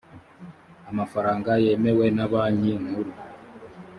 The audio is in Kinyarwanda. amafaranga yemewe na banki nkuru